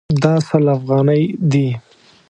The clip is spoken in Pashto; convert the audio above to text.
دا سل افغانۍ دي